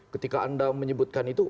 ketika anda menyebutkan itu